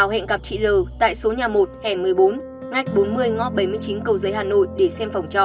hào hẹn gặp chị l tại số nhà một hẻ một mươi bốn ngách bốn mươi ngõ bảy mươi chín cầu giới hà nội để xem phòng trọ